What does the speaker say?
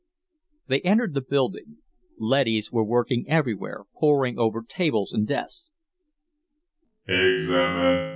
They entered the building. Leadys were working everywhere, poring over tables and desks.